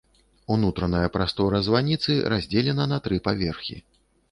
Унутраная прастора званіцы раздзелена на тры паверхі.